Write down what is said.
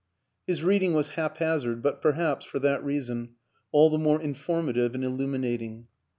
His reading was haphazard, but perhaps, for that reason, all the more informative and illumi nating.